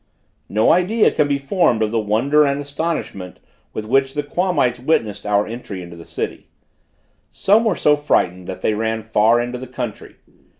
No idea can be formed of the wonder and astonishment with which the Quamites witnessed our entry into the city; some were so frightened that they ran far into the country.